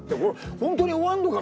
ホントに終わるのか？